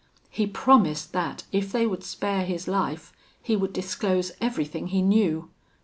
He promised that, if they would spare his life, he would disclose everything he knew.